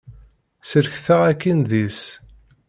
Sellket-aɣ akin deg-s.